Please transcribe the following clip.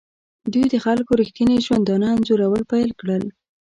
دوی د خلکو ریښتیني ژوندانه انځورول پیل کړل.